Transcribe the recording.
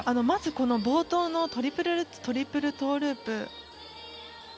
まず冒頭のトリプルルッツトリプルトゥループ